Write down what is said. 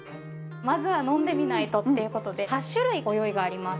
まずは飲んでみないとっていう事で８種類ご用意があります。